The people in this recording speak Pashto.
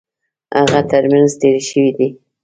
هغه ترمېنځ تېر شوی دی.